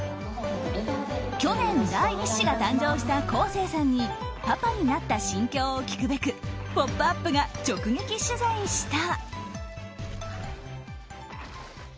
去年、第１子が誕生した昴生さんにパパになった心境を聞くべく「ポップＵＰ！」が直撃取材した。